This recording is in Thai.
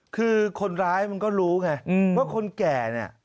คือคนร้ายมันก็รู้ไงว่าคนแก่เนี่ย